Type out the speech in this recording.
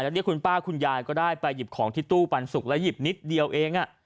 แล้วเรียกคุณป้าคุณยายก็ได้ไปหยิบของที่ตู้ปันสุกแล้วหยิบนิดเดียวเอง